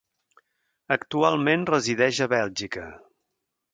Actualment resideix a Bèlgica.